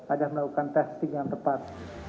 ada melakukan testing yang tepat